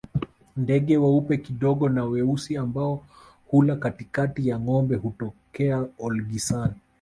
Ndege weupe kidogo na weusi ambao hula katikati ya ngombe hutokea Olgisan